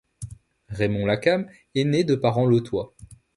Raymond Lacam est né de parents lotois.